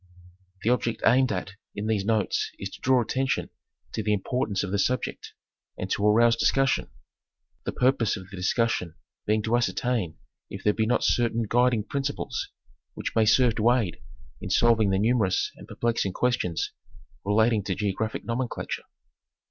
The object aimed at in these notes is to draw attention to the importance of the subject and to arouse discussion ; the purpose of the discussion being to ascertain if there be not certain guid ing principles which may serve to aid in solving the numerous and perplexing questions relating to geographic nomenclature.